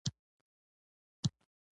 ایا تاسو مینه کړې؟